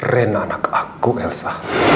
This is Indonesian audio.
renan aku elsa